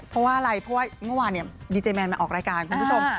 เพราะว่าอะไรเพราะว่าเมื่อวานดีเจแมนมาออกรายการคุณผู้ชม